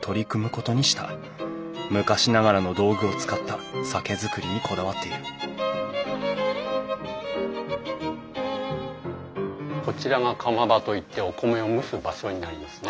昔ながらの道具を使った酒造りにこだわっているこちらが釜場といってお米を蒸す場所になりますね。